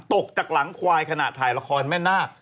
ตกจากหลังควายขณะถ่ายละครแม่นาค